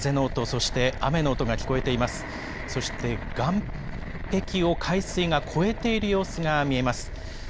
そして岸壁を海水が越えている様子が見えます。